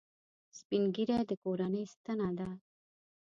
سپین ږیری د کورنۍ ستنه ده